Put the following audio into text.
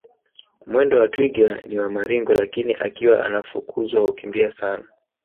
Mwendo wa twiga ni wa maringo lakini akiwa anafukuzwa hukimbia sana